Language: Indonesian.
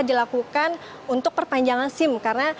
dilakukan untuk perpanjangan sim karena